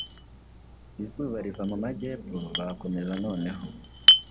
Izuba riva mu majyepfo bakomeza noneho